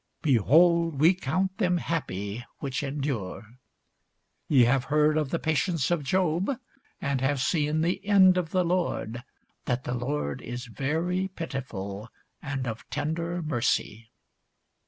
Behold, we count them happy which endure. Ye have heard of the patience of Job, and have seen the end of the Lord; that the Lord is very pitiful, and of tender mercy.